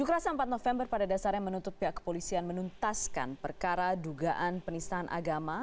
tujuh rasa empat november pada dasarnya menuntut pihak kepolisian menuntaskan perkara dugaan penisahan agama